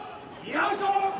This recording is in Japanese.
よいしょ！